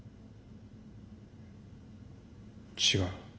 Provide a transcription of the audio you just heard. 違う。